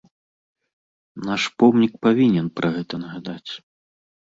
Наш помнік павінен пра гэта нагадаць.